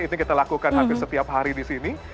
itu kita lakukan hampir setiap hari di sini